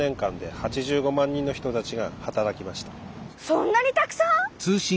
そんなにたくさん？